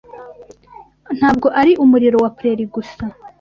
Ntabwo ari umuriro wa prairie gusa?